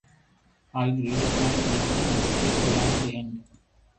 I gritted my teeth and stayed there to the end.